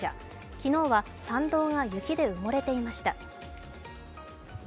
昨日は参道が雪で埋もれていました。